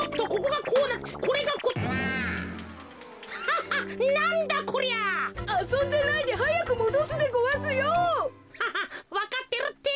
ハハわかってるって。